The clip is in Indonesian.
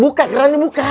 buka gerahnya buka